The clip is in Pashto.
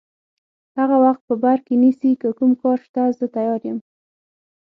هغه وخت په بر کې نیسي، که کوم کار شته زه تیار یم.